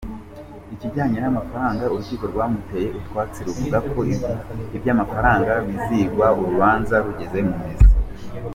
Ikijyanye n’amafaranga urukiko rwamuteye utwatsi ruvuga ko ibyamafaranga bizigwa urubanza rugeze mu mizi.